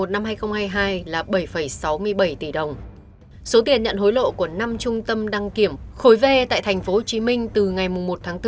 năm hai nghìn hai mươi hai là bảy sáu mươi bảy tỷ đồng số tiền nhận hối lộ của năm trung tâm đăng kiểm khối v tại tp hcm từ ngày mùng một tháng bốn